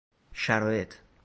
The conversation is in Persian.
شرائط